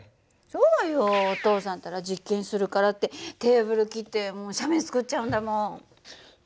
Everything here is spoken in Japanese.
そうよお父さんったら実験するからってテーブル切って斜面作っちゃうんだもん。